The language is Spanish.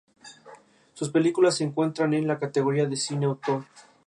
La polimerización de los microtúbulos se nuclea en un centro organizador de microtúbulos.